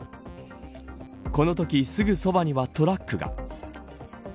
このときすぐそばにはトラックが。